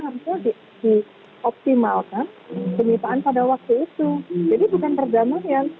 harusnya dioptimalkan penyitaan pada waktu itu jadi bukan perdamaian